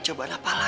coba dapet lagi